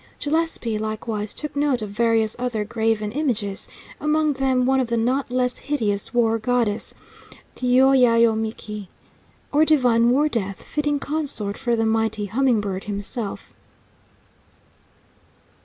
Gillespie likewise took note of various other graven images; among them one of the not less hideous war goddess, Teoyaomiqui, or "divine war death," fitting consort for the mighty "humming bird" himself.